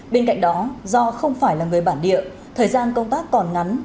bên cạnh đó do không phải là người bản địa thời gian công tác còn ngắn